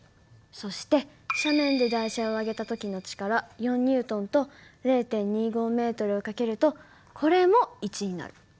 そして斜面で台車を上げた時の力４Ｎと０．２５ｍを掛けるとこれも１になる。